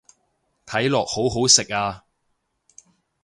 睇落好好食啊